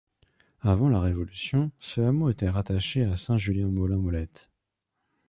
Avant la Révolution, ce hameau était rattaché à Saint-Julien-Molin-Molette.